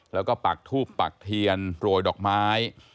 แล้วก็ปักทูบปักเทียนโปรยดอกไม้